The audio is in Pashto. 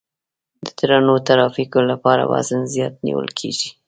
د درنو ترافیکو لپاره وزن زیات نیول کیږي